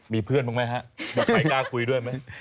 มีเพื่อนบ้างไหมฮะว่าใครกล้าคุยด้วยไหม